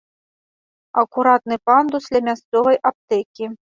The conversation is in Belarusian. Акуратны пандус ля мясцовай аптэкі.